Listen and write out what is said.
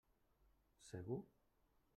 Segur?